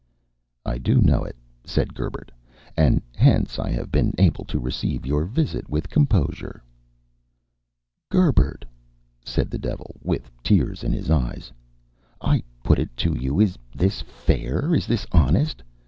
"I do know it," said Gerbert, "and hence I have been able to receive your visit with composure." "Gerbert," said the devil, with tears in his eyes, "I put it to you is this fair, is this honest?